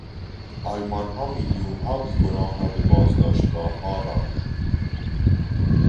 آلمانها میلیونها بیگناه را به بازداشتگاهها راندند.